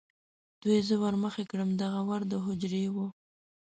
دوی زه ور مخې کړم، دغه ور د هوجرې و.